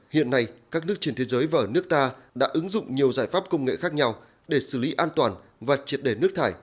hiện nay các nước trên thế giới và nước ta đã ứng dụng nhiều giải pháp công nghệ khác nhau để xử lý an toàn và triệt đề nước thải